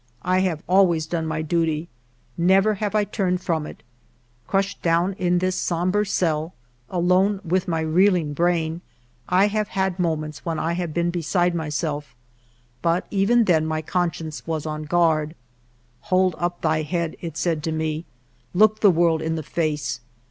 I have always done my duty ; never have I turned from it. Crushed down in this sombre cell, alone with my reeling brain, I have had ALFRED DREYFUS 19 moments when I have been beside myself; but even then my conscience was on guard. ' Hold up thy head !' it said to me. ' Look the world in the face